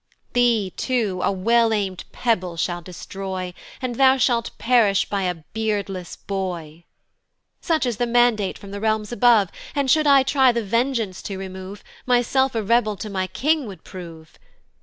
"Thee too a well aim'd pebble shall destroy, "And thou shalt perish by a beardless boy: "Such is the mandate from the realms above, "And should I try the vengeance to remove, "Myself a rebel to my king would prove.